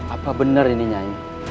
apa benar ini nyanyi